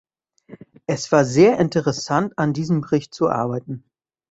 Es war sehr interessant, an diesem Bericht zu arbeiten.